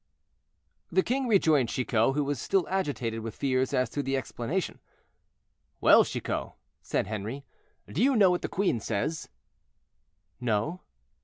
The king rejoined Chicot, who was still agitated with fears as to the explanation. "Well, Chicot," said Henri, "do you know what the queen says?" "No."